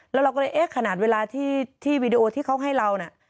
แล้วเราก็เลยเอ๊ะขนาดเวลาที่วีดีโอที่เขาให้เราน่ะ